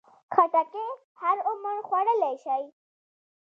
خټکی هر عمر خوړلی شي.